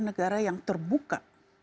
negara yang terbuka